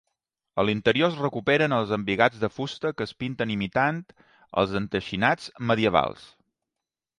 A l'interior es recuperen els embigats de fusta que es pinten imitant els enteixinats medievals.